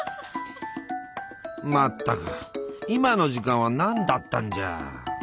全く今の時間は何だったんじゃ。